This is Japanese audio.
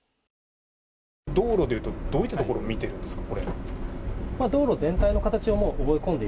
道路でいうとどういったところを見ているんですか。